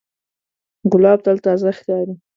ګلاب تل تازه ښکاري.